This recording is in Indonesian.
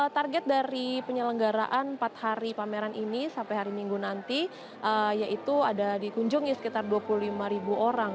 target dari penyelenggaraan empat hari pameran ini sampai hari minggu nanti yaitu ada dikunjungi sekitar dua puluh lima ribu orang